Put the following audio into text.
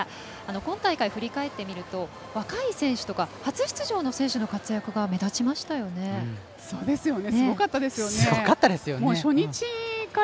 今大会振り返ってみると若い選手とか初出場選手の活躍が目立ちましたよね。